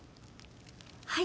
はい！